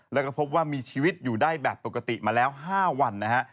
แล้วก็พบว่ามีชีวิตอยู่ได้แบบปกติมาแล้ว๕วันนะฮะ